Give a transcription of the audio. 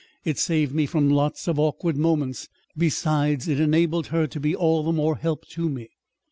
It saved me from lots of awkward moments. Besides, it enabled her to be all the more help to me."